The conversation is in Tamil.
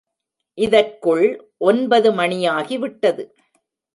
இதற்குள் ஒன்பது மணியாகிவிட்டது.